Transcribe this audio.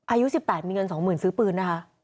อายุ๑๘มีเงิน๒๐๐๐ซื้อปืนนะคะ